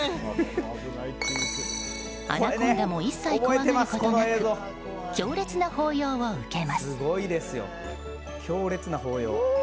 アナコンダも一切怖がることなく強烈な抱擁を受けます。